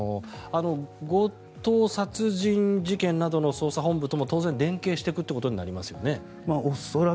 強盗殺人事件などの捜査本部とも当然、連携していくということになりますよね。